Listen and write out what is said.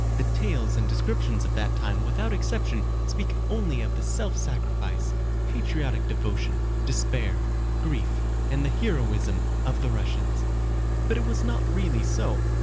The tales and descriptions of that time without exception speak only of the self sacrifice, patriotic devotion, despair, grief, and the heroism of the Russians. But it was not really so.